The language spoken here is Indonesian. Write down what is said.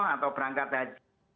atau berangkat haji